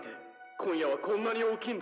今夜はこんなに大きいんだ。